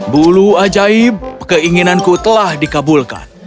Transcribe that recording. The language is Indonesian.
bulu ajaib keinginanku telah dikabulkan